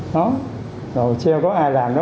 rồi sau đó có ai làm